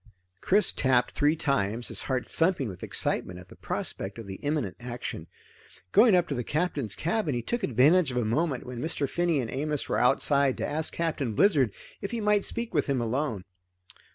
Chris tapped three times, his heart thumping with excitement at the prospect of the imminent action. Going up to the Captain's cabin, he took advantage of a moment when Mr. Finney and Amos were outside to ask Captain Blizzard if he might speak with him alone.